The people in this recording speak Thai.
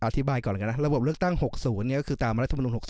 อธิบายก่อนแล้วระบบเลือกตั้ง๖๐ตามรัฐมนุม๖๐